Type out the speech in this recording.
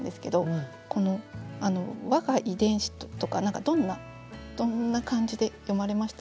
この「吾が遺伝子」とか何かどんな感じで読まれました？